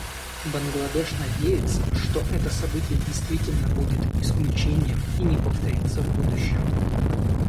Бангладеш надеется, что это событие, действительно, будет исключением и не повторится в будущем.